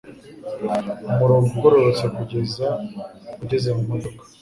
umurongo ugororotse kugeza ugeze mu modoka